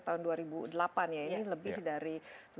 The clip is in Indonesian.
tahun dua ribu delapan ya ini lebih dari